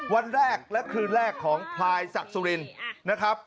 วันแรกและคืนแรกของพลายศักดิ์สุรินนะครับ